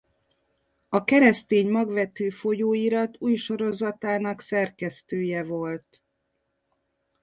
A Keresztény Magvető folyóirat új sorozatának szerkesztője volt.